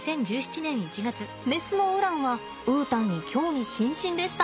メスのウランはウータンに興味津々でした。